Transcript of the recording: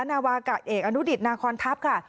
นาวากะเอกอนุดิตนาคอนทัพค่ะ